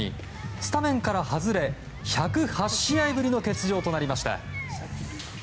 スタメンから外れ１０８試合ぶりの欠場となりました。